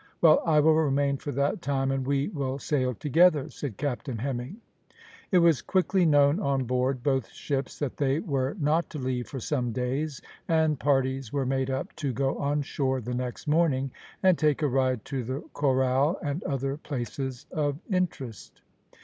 "Well, I will remain for that time, and we will sail together," said Captain Hemming. It was quickly known on board both ships that they were not to leave for some days, and parties were made up to go on shore the next morning, and take a ride to the Corral and other places of interest.